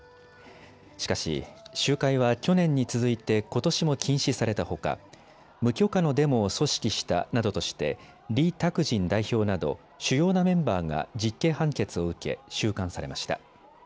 しかし、集会は去年に続いてことしも禁止されたほか無許可のデモを組織したなどとして李卓人代表など主要なメンバーが実刑判決を受け収監されました。